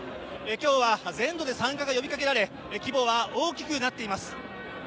今日は全土で参加が呼びかけられ規模は大きくなっています。